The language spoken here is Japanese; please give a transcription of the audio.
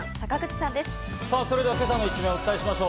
さあ、それでは今朝の一面をお伝えしましょう。